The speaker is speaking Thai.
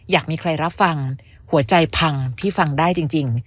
อยากมีใครรับฟังหัวใจพังพี่ฟังได้จริง